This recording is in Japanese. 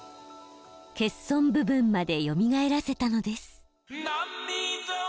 欠損部分までよみがえらせたのです。